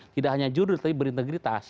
tidak hanya judul tapi berintegritas